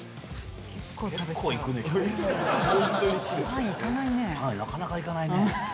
パンなかなかいかないね